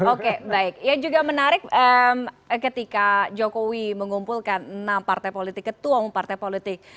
oke baik yang juga menarik ketika jokowi mengumpulkan enam partai politik ketua umum partai politik